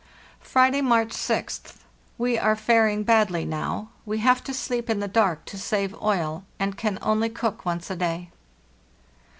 "Friday, March 6th. We are faring badly now. We have to sleep in the dark to save oil, and can only cook once a day.